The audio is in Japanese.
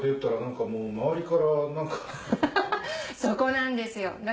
そこなんですよ。